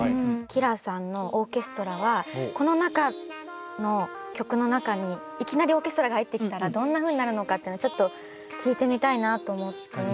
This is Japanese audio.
Ｋｉｒａさんのオーケストラはこの中の曲の中にいきなりオーケストラが入ってきたらどんなふうになるのかってのをちょっと聴いてみたいなと思って。